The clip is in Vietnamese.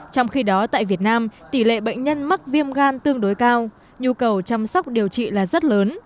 trong khi đó tại việt nam tỷ lệ bệnh nhân mắc viêm gan tương đối cao nhu cầu chăm sóc điều trị là rất lớn